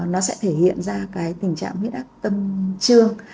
nó sẽ thể hiện ra cái tình trạng huyết áp tâm trương